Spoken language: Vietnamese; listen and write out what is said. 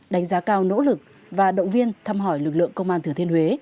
đánh giá cao nỗ lực và động viên thăm hỏi lực lượng công an thừa thiên huế